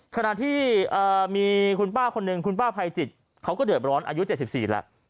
ขณะที่มีคุณป้าคนหนึ่งคุณป้าภัยจิตเขาก็เดือดร้อนอายุ๗๔แล้ว